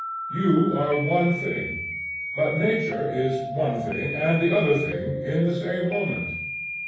You are one thing, but Nature is one thing and the other thing, in the same moment.